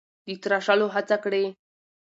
د تراشلو هڅه کړې: